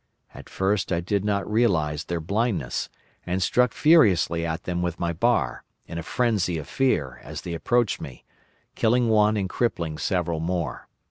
At first I did not realise their blindness, and struck furiously at them with my bar, in a frenzy of fear, as they approached me, killing one and crippling several more.